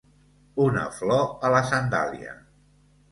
Una flor a la sandàlia.